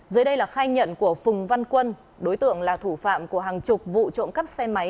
dưới đây là khai nhận của phùng văn quân đối tượng là thủ phạm của hàng chục vụ trộm cắp xe máy